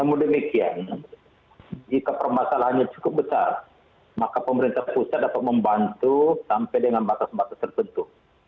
namun demikian jika permasalahannya cukup besar maka pemerintah pusat dapat membantu sampai dengan batas batas tertentu